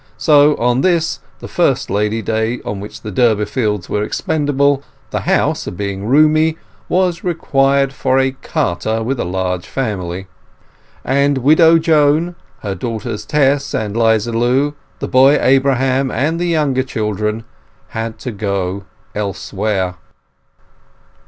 So on this, the first Lady Day on which the Durbeyfields were expellable, the house, being roomy, was required for a carter with a large family; and Widow Joan, her daughters Tess and 'Liza Lu, the boy Abraham, and the younger children had to go elsewhere.